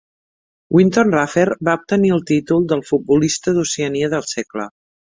Wynton Rufer va obtenir el títol del Futbolista d'Oceania del Segle.